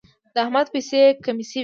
د احمد پیسې کمې شوې.